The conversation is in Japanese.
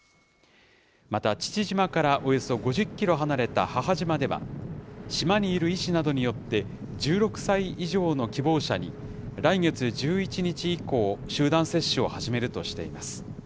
また父島からおよそ５０キロ離れた母島では、島にいる医師などによって、１６歳以上の希望者に来月１１日以降、集団接種を始めるとしています。